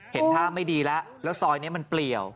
เห็นท่าไม่ดีแล้วแล้วซอยนี้มันเปลี่ยว